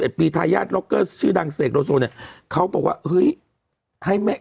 ปีทายาทล็อกเกอร์ชื่อดังเสกโลโซเนี่ยเขาบอกว่าเฮ้ยให้ไม่